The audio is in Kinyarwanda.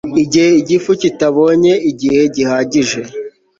igihe igifu kitabonye igihe gihagije